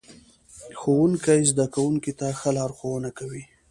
ښوونکی زده کوونکو ته ښه لارښوونه کوي